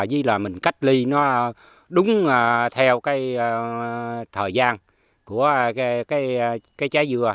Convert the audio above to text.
với là mình cách ly nó đúng theo cái thời gian của cái trái dừa